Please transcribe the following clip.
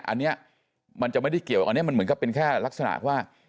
อันนี้มันจะไม่ได้เกี่ยวอันนี้มันเหมือนกับเป็นแค่ลักษณะว่า